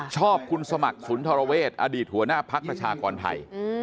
ชอบคุณสมัครศูนย์ธรเวชอดีตหัวหน้าภักดิ์ประชากรไทย